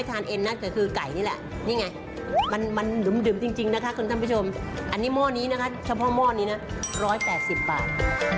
อันนี้โหม้วนี้นะครับชะพอโหม้วนี้ทร้อยแปดสิบบาท